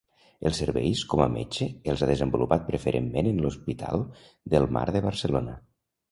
Els serveis com a metge els ha desenvolupat preferentment en l’Hospital del Mar de Barcelona.